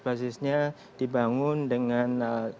basisnya dibangun dengan